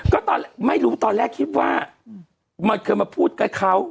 ก็ตอนไม่รู้ตอนแรกคิดว่ามันเคยมาพูดกับเขา